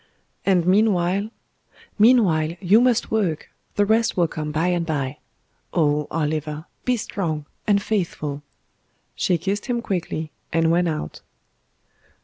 "And meanwhile " "Meanwhile, you must work; the rest will come by and bye. Oh! Oliver, be strong and faithful." She kissed him quickly, and went out.